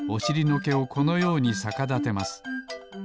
のけをこのようにさかだてます。